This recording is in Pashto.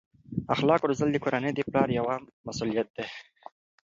اخلاق روزل د کورنۍ د پلار یوه مسؤلیت ده.